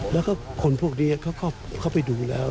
แล้วก็คนพวกนี้เข้าไปดูแล้ว